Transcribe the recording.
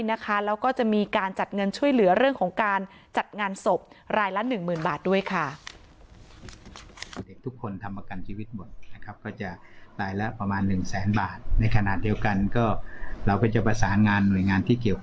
แล้วก็จะมีการจัดเงินช่วยเหลือเรื่องของการจัดงานศพรายละหนึ่งหมื่นบาทด้วยค่ะ